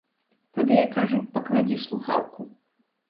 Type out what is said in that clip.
Тады я кажу, пакладзі слухаўку.